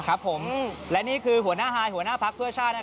ครับผมและนี่คือหัวหน้าฮายหัวหน้าพักเพื่อชาติ